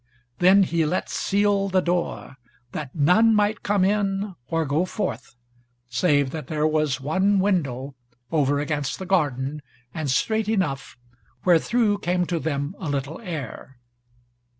Then he let seal the door, that none might come in or go forth, save that there was one window, over against the garden, and strait enough, where through came to them a little air.